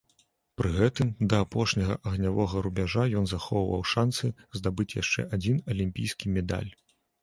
Пры гэтым, да апошняга агнявога рубяжа ён захоўваў шанцы здабыць яшчэ адзін алімпійскі медаль.